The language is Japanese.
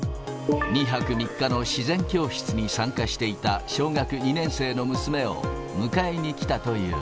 ２泊３日の自然教室に参加していた小学２年生の娘を迎えにきたという。